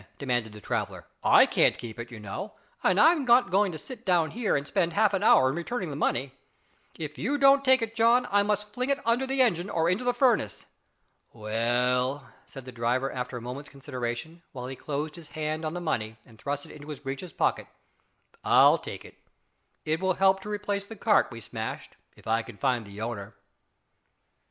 demanded the traveller, "I can't keep it, you know, and I'm not going to sit down here and spend half an hour in returning the money. If you don't take it John, I must fling it under the engine or into the furnace." "Well," said the driver, after a moment's consideration, while he closed his hand on the money and thrust it into his breeches pocket, "I'll take it. It will help to replace the cart we smashed, if I can find the owner."